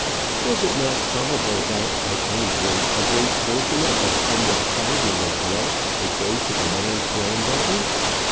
Was it not probable that at any rate a great portion of that almost fabulous wealth would go to the man's granddaughter?